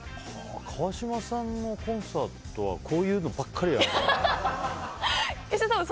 川島さんのコンサートはこういうのばっかりやるのかな。